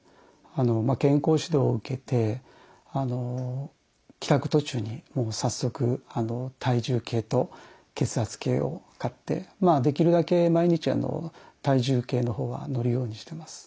健康指導を受けて帰宅途中に早速体重計と血圧計を買ってできるだけ毎日体重計のほうは乗るようにしてます。